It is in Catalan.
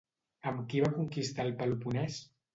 Amb qui va conquistar el Peloponès?